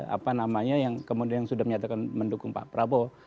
apa namanya yang kemudian sudah menyatakan mendukung pak prabowo